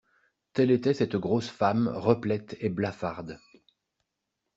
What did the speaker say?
Telle était cette grosse femme replète et blafarde.